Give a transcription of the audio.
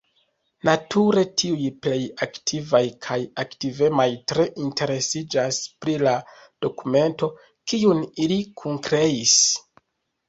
Nature tiuj plej aktivaj kaj aktivemaj tre interesiĝas pri la dokumento, kiun ili kunkreis.